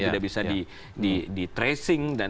tidak bisa di tracing dan tidak bisa